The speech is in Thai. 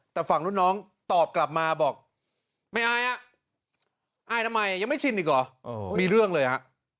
แต่ฝั่งรุ่นน้องตอบกลับมาบอกไม่อายอ่ะอายทำไมยังไม่ชินอีกเหรอมีเรื่องเลยฮะ